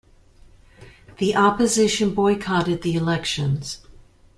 The opposition boycotted the elections.